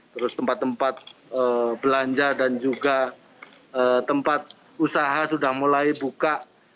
terus tempat tempat belanja dan juga tempat usaha sudah mulai buka